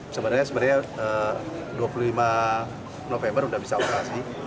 sebenarnya dua puluh lima november sudah bisa operasi